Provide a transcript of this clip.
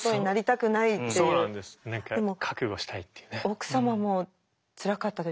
奥様もつらかったでしょうね。